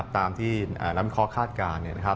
ตามที่นำข้อคาดการณ์